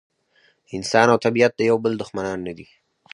انسان او طبیعت د یو بل دښمنان نه دي.